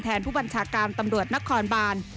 ผู้บัญชาการตำรวจนครบาน